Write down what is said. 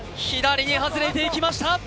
左に外れていきました。